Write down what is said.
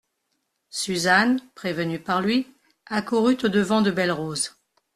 Suzanne, prévenue par lui, accourut au-devant de Belle-Rose.